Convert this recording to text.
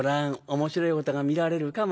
面白いことが見られるかも。